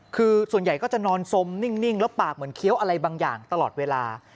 คือส่วนใหญ่ก็จะนอนสมนิ่งแล้วปากเหมือนเคี้ยวอะไรบางอย่างตลอดเวลา